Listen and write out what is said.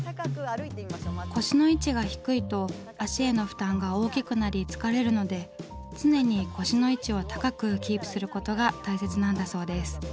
腰の位置が低いと足への負担が大きくなり疲れるので常に腰の位置を高くキープすることが大切なんだそうです。